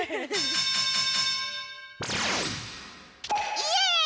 イエーイ！